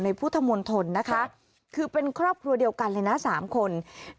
พุทธมนตรนะคะคือเป็นครอบครัวเดียวกันเลยนะ๓คน